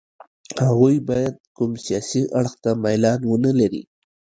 هغوی باید کوم سیاسي اړخ ته میلان ونه لري.